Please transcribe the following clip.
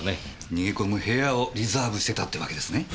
逃げ込む部屋をリザーブしてたってわけですね。